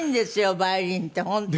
バイオリンって本当に。